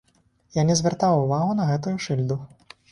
Я не звяртаю ўвагу на гэтую шыльду.